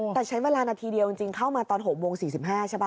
แต่ใช้เวลานาทีเดียวจริงเข้ามาตอน๖โมง๔๕ใช่ป่